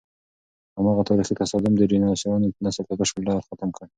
هماغه تاریخي تصادم د ډیناسورانو نسل په بشپړ ډول ختم کړ.